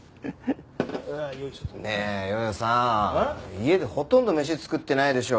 家でほとんど飯作ってないでしょ？